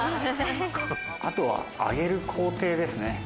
「あとは揚げる工程ですね」